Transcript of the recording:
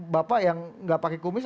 bapak yang nggak pakai kumis